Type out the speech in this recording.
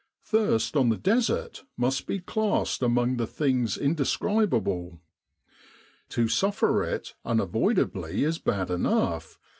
Thirst on the Desert must be classed among the things indescrib With the R.A.M.C. in Egypt able. To suffer it unavoidably is bad enough.